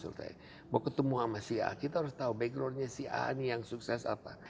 mau ketemu sama si a kita harus tahu backgroundnya si a ini yang sukses apa